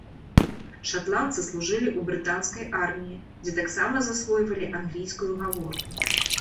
Шатландцы служылі ў брытанскай арміі, дзе таксама засвойвалі англійскую гаворку.